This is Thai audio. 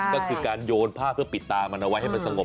ก็คือการโยนผ้าเพื่อปิดตามันเอาไว้ให้มันสงบ